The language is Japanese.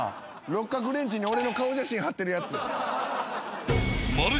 六角レンチに俺の顔写真貼ってるやつ。